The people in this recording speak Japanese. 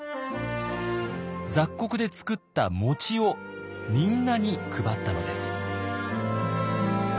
雑穀で作ったもちをみんなに配ったのです。